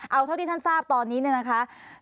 เอาที่ท่านทราบตอนนี้นะคะ